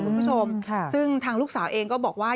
คุณผู้ชมซึ่งทางลูกสาวเองก็บอกว่า